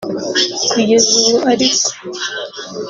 Kugeza ubu ariko